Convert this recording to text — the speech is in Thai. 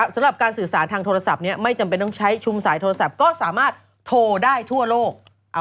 สำหรับการสื่อสารทางโทรศัพท์นี้ไม่จำเป็นต้องใช้ชุมสายโทรศัพท์ก็สามารถโทรได้ทั่วโลก